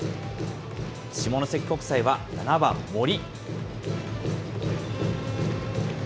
下関国際は７番森。